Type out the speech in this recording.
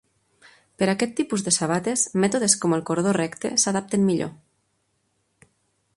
Per aquest tipus de sabates, mètodes com el cordó recte s'adapten millor.